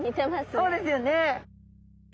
そうですよね！